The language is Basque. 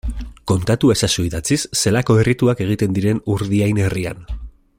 Kontatu ezazu idatziz zelako errituak egiten diren Urdiain herrian.